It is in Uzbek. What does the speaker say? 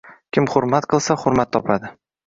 Kim hurmat qilsa, hurmat topadi